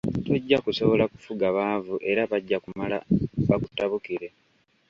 Tojja kusobola kufuga baavu era bajja kumala bakutabukire.